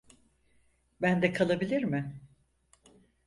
Bende kalabilir mi?